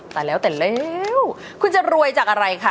แต่แล้วคุณจะรวยจากอะไรคะ